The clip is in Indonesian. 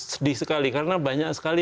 sedih sekali karena banyak sekali